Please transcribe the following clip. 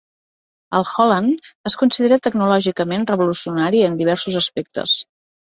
El Holland es considera tecnològicament revolucionari en diversos aspectes.